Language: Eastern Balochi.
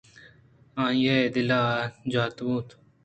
آئی ءِ دل ءَ جاتوگ اَنت